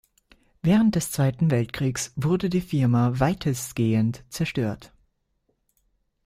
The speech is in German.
Während des Zweiten Weltkrieges wurde die Firma weitestgehend zerstört.